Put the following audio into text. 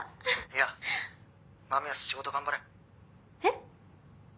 「いや麻美は仕事頑張れ」えっ？